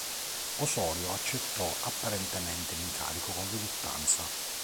Osorio accettò apparentemente l'incarico con riluttanza.